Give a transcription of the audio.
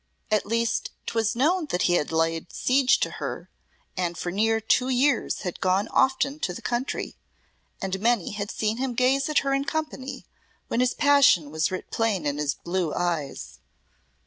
At least 'twas known that he had laid seige to her, and for near two years had gone often to the country, and many had seen him gaze at her in company when his passion was writ plain in his blue eyes.